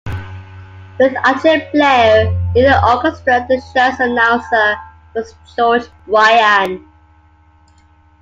With Archie Bleyer leading the orchestra, the show's announcer was George Bryan.